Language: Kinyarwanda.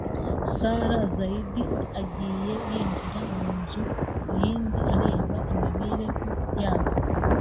Sarah Zeid yagiye yinjira mu nzu ku yindi areba imibereho yazo